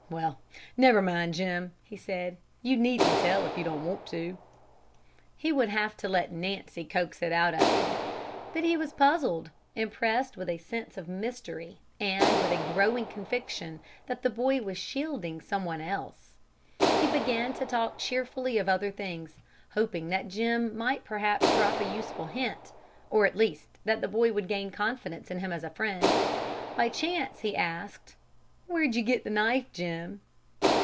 "Well, never mind, Jim," he said. "You needn't tell if you don't want to." He would have to let Nancy coax it out of him. But he was puzzled, impressed with a sense of mystery and with a growing conviction that the boy was shielding some one else. He began to talk cheerfully of other things, hoping that Jim might perhaps drop a useful hint, or, at least, that the boy would gain confidence in him as a friend. By chance he asked: "Where did you get the knife, Jim?"